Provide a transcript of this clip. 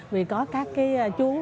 vì có các chú ý